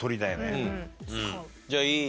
じゃあいい？